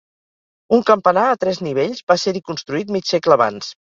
Un campanar a tres nivells va ser-hi construït mig segle abans.